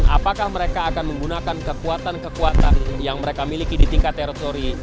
apakah mereka akan menggunakan kekuatan kekuatan yang mereka miliki di tingkat teritori